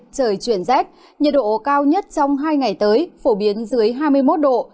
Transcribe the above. trời chuyển rét nhiệt độ cao nhất trong hai ngày tới phổ biến dưới hai mươi một độ